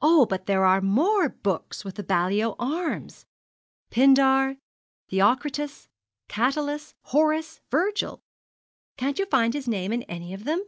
'Oh, but here are more books with the Balliol arms Pindar, Theocritus, Catullus, Horace, Virgil.' 'Can't you find his name in any of them?'